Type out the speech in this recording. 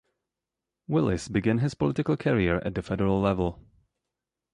Willis began his political career at the federal level.